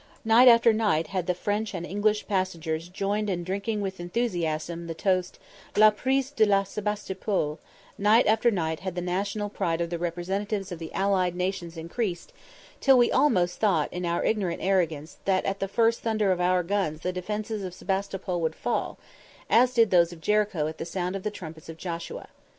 Night after night had the French and English passengers joined in drinking with enthusiasm the toast "La prise de Sebastopol" night after night had the national pride of the representatives of the allied nations increased, till we almost thought in our ignorant arrogance that at the first thunder of our guns the defences of Sebastopol would fall, as did those of Jericho at the sound of the trumpets of Joshua.